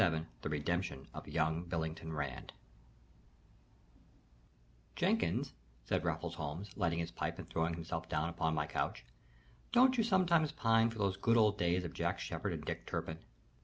VII THE REDEMPTION OF YOUNG BILLINGTON RAND "Jenkins," said Raffles Holmes, lighting his pipe and throwing himself down upon my couch, "don't you sometimes pine for those good old days of Jack Sheppard and Dick Turpin?